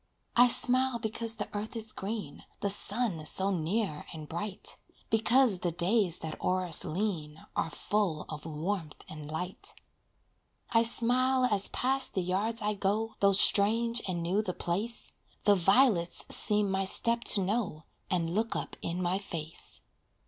I smile because the earth is green, The sun so near and bright, Because the days that o'er us lean Are full of warmth and light. I smile as past the yards I go, Though strange and new the place, The violets seem my step to know, And look up in my face.